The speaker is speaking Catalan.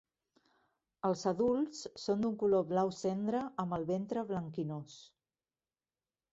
Els adults són d"un color blau cendra, amb el ventre blanquinós.